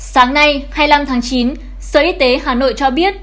sáng nay hai mươi năm tháng chín sở y tế hà nội cho biết